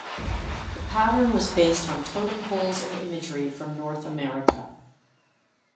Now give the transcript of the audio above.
The pattern was based on totem poles and imagery from North America.